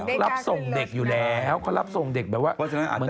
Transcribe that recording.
เพราะรับส่งเด็กอยู่แล้วเพราะรับส่งเด็กแบบว่าเหมือนตอนเย็น